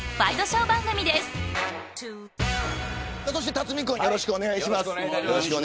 辰巳君よろしくお願いします。